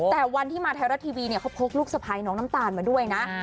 แต่วันที่มาไทยรัฐทีวีเนี่ยเขาพกลูกสะพ้ายน้องน้ำตาลมาด้วยนะ